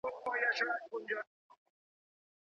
ايا متضرر کورنۍ کولای سي قاتل ته بخښنه وکړي؟